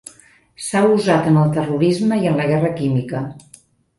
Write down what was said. S'ha usat en el terrorisme i en la guerra química.